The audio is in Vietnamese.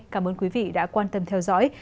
cảm ơn quý vị đã quan tâm theo dõi